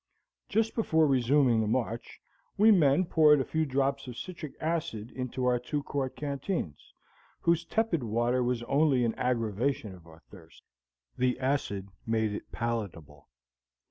Just before resuming the march, we men poured a few drops of citric acid into our two quart canteens, whose tepid water was only an aggravation of our thirst; the acid made it palatable.